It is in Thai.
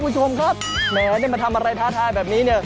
คุณผู้ชมครับแหมได้มาทำอะไรท้าทายแบบนี้เนี่ย